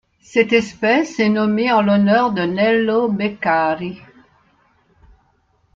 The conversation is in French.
Cette espèce est nommée en l'honneur de Nello Beccari.